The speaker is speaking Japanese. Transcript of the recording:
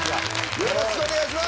よろしくお願いします。